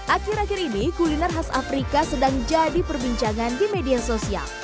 akhir akhir ini kuliner khas afrika sedang jadi perbincangan di media sosial